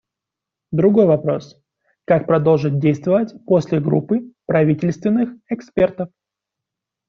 Другой вопрос: как продолжить действовать после группы правительственных экспертов?